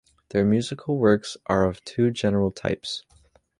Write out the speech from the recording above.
Their musical works are of two general types.